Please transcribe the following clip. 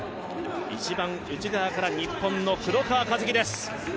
一番内側から日本の黒川和樹です。